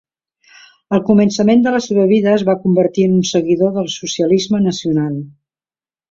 Al començament de la seva vida es va convertir en un seguidor del socialisme nacional.